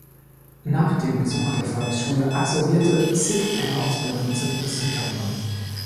Nach dem Besuch der Volksschule absolvierte Sick eine Ausbildung zum Industriekaufmann.